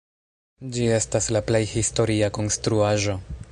Ĝi estas la plej historia konstruaĵo.